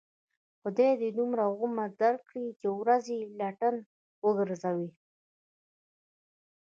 خدای دې دومره عمر در کړي، چې د ورځې لټن و گرځوې.